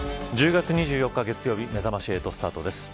１０月２４日月曜日めざまし８スタートです。